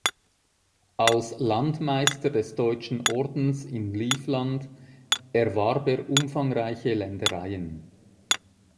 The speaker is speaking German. Als Landmeister des Deutschen Ordens in Livland erwarb er umfangreiche Ländereien.